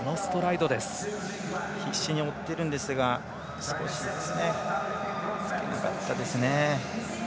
必死に追っているんですが少し、追いつけなかったですね。